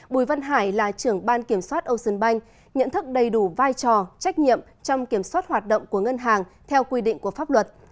bùi văn hải là trưởng ban kiểm soát ocean bank nhận thức đầy đủ vai trò trách nhiệm trong kiểm soát hoạt động của ngân hàng theo quy định của pháp luật